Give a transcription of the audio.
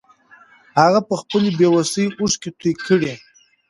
هغه په خپلې بې وسۍ اوښکې توې کړې.